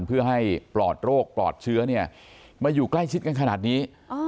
เพื่อให้ปลอดโรคปลอดเชื้อมาอยู่ใกล้ชิดกันขนาดนี้